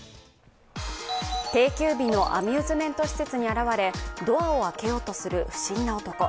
定休日のアミューズメント施設に現れドアを開けようとする不審な男。